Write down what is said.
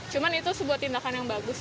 cuma itu sebuah tindakan yang bagus